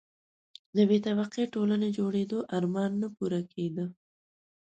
د بې طبقې ټولنې جوړېدو آرمان نه پوره کېده.